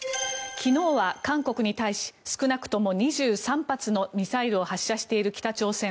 昨日は韓国に対し少なくとも２３発のミサイルを発射している北朝鮮。